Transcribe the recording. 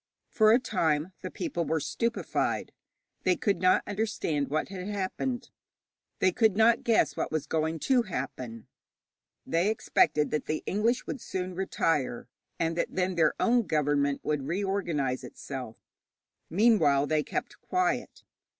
For a time the people were stupefied. They could not understand what had happened; they could not guess what was going to happen. They expected that the English would soon retire, and that then their own government would reorganize itself. Meanwhile they kept quiet.